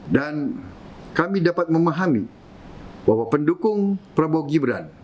dan kami dapat memahami bahwa pendukung prabowo gibran